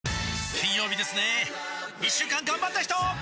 金曜日ですね一週間がんばった人！